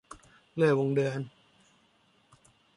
เลื่อยวงเดือน